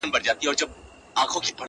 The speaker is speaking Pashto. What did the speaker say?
د نورو او اکثریت شاعرانو نه ورته پام کوي -